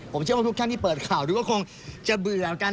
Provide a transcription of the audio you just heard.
ผมเชื่อว่าทุกท่านที่เปิดข่าวดูก็คงจะเบื่อกัน